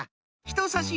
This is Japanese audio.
ひとさし